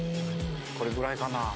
これぐらいかな」